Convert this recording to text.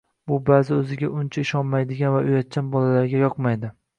Bu ba’zi o‘ziga uncha ishonmaydigan va uyatchan bolalarga yoqmaydi.